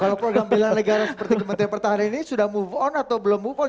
kalau program bela negara seperti kementerian pertahanan ini sudah move on atau belum move on